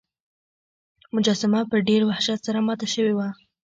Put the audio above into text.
مجسمه په ډیر وحشت سره ماته شوې وه.